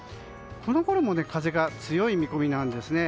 このころも風が強い見込みです。